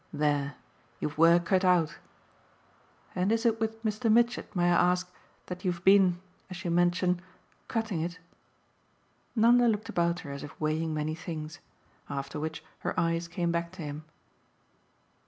There you've work cut out. And is it with Mr. Mitchett, may I ask, that you've been, as you mention, cutting it?" Nanda looked about her as if weighing many things; after which her eyes came back to him.